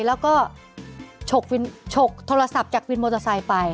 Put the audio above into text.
แล้วก็ฉกโทรศัพท์จากวินมอเตอร์ไซค์ไป